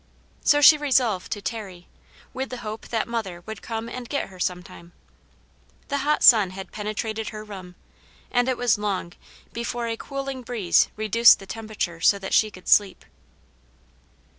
So she resolved to tarry, with the hope that mother would come and get her some time. The hot sun had penetrated her room, and it was long before a cooling breeze reduced the temperature so that she could sleep.